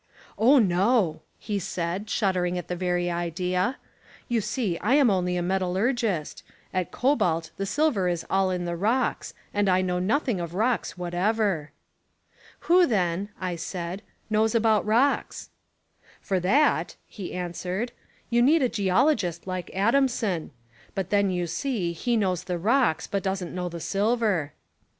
"Oh, no," he said, shuddering at the very Idea, "you see I'm only a metallurgist; at Cobalt the silver Is all In the rocks and I know nothing of rocks whatever." "Who then," I said, "knows about rocks?" "For that," he answered, "you need a geologist like Adamson; but then, you see, he knows the rocks, but doesn't know the sil ver."